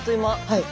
はい。